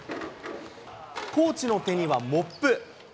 コーチの手にはモップ。